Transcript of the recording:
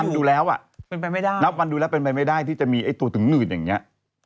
คือนับฟันดูแล้วเป็นไปไม่ได้ที่จะมีตัวถึงหงืดอย่างนี้